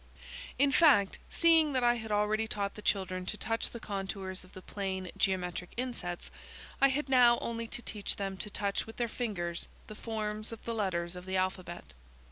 In fact, seeing that I had already taught the children to touch the contours of the plane geometric insets, I had now only to teach them to touch with their fingers the forms of the letters of the alphabet.